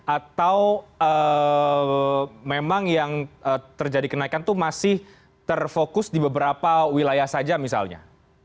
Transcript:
atau memang yang terjadi kenaikan itu masih terfokus di beberapa wilayah saja misalnya